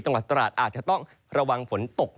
จังหวัดตราดอาจจะต้องระวังฝนตก